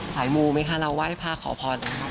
ขายมูลมั้ยคะเราว่าให้พระขอพรนะครับ